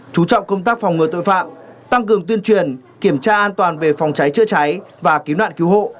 chú trọng công tác phòng ngừa tội phạm tăng cường tuyên truyền kiểm tra an toàn về phòng cháy chữa cháy và cứu nạn cứu hộ